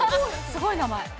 すごい名前。